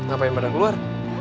apa yang pada keluar